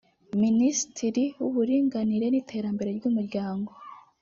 Ministiri w’Uburinganire n’Iterambere ry’Umuryango